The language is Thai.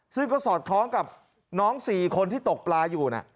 ซึ่งก็สอดคล้องกับน้อง๔คนที่ตกปลาอยู่นะ